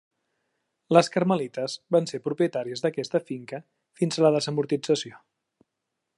Les carmelites van ser propietàries d'aquesta finca fins a la desamortització.